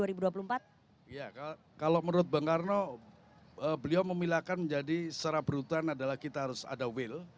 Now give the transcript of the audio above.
iya kalau menurut bang karno beliau memilahkan menjadi secara beruntutan adalah kita harus ada will